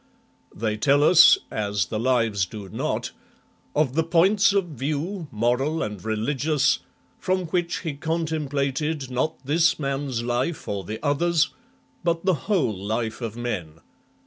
They tell us, as the Lives do not, " of the points of view, moral and religious, from which he contemplated not this man's life or the other's, but the whole life of men.